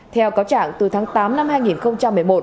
theo cáo trạng từ tháng tám năm hai nghìn một mươi một